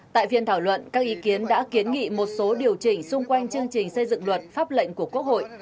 tại phiên thảo luận các ý kiến đã kiến nghị một số điều chỉnh xung quanh chương trình xây dựng luật pháp lệnh của quốc hội